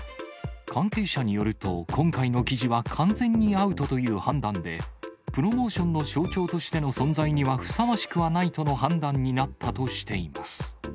関係者によると、今回の記事は完全にアウトという判断で、プロモーションの象徴としての存在にはふさわしくはないとの判断になったとしています。